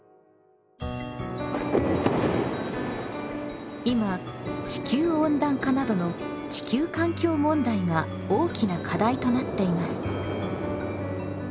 日本も今地球温暖化などの地球環境問題が大きな課題となっています。